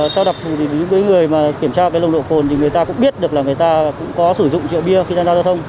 trong đối thì những người kiểm tra nông độ cồn thì người ta cũng biết được là người ta có sử dụng rượu bia khi tham gia giao thông